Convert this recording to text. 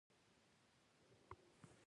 د خیر یاد کول د زړه صفا کوي.